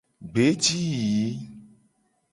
Gbe ji yiyi.